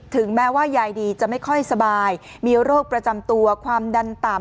ถึงแม้ว่ายายดีจะไม่ค่อยสบายมีโรคประจำตัวความดันต่ำ